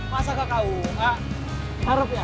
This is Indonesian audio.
masa kakau gak harap ya